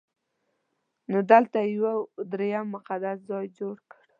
نو دلته یې یو درېیم مقدس ځای جوړ کړ.